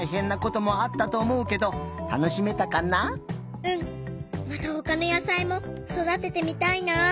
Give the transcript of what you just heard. うん。またほかの野さいもそだててみたいな。